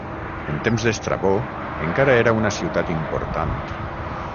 En temps d'Estrabó encara era una ciutat important.